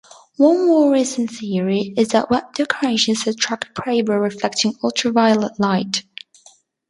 One more recent theory is that web decorations attract prey by reflecting ultraviolet light.